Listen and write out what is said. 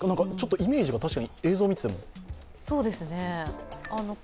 イメージが確かに、映像を見ていても。